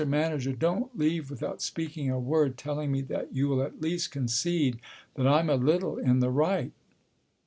Manager, don't leave without speaking a word telling me that you'll at least concede that I'm a little in the right!"